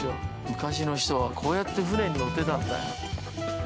昔の人はこうやって舟に乗ってたんだ。